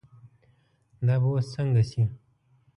دا به اوس څنګه شي.